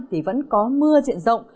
thì vẫn có mưa diện rộng